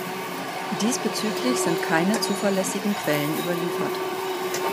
Diesbezüglich sind keine zuverlässigen Quellen überliefert.